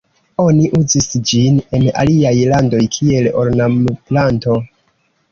Oni uzis ĝin en aliaj landoj kiel ornamplanto.